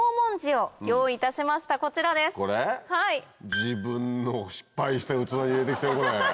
自分の失敗した器に入れて来たよこれ。